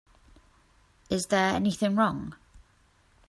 Is there anything wrong?